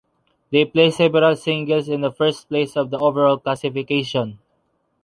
They placed several singles in first place of the overall classification.